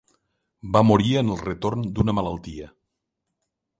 Va morir en el retorn d'una malaltia.